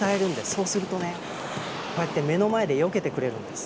そうするとねこうやって目の前でよけてくれるんです。